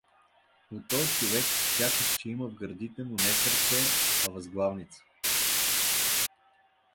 У тоя човек сякаш че има в гърдите му не сърце, а възглавница.